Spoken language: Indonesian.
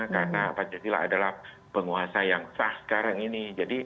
karena pancasila adalah penguasa yang sah sekarang ini